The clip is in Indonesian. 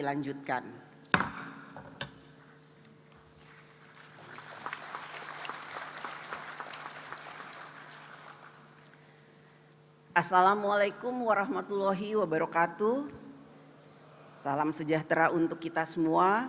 assalamualaikum warahmatullahi wabarakatuh salam sejahtera untuk kita semua